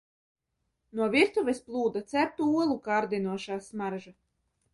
No virtuves plūda ceptu olu kārdinošā smarža.